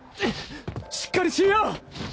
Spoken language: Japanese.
しっかりしいや！